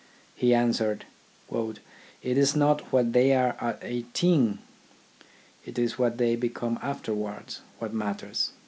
He answered, " It is not what they are at eighteen, it is what they become afterwards that matters."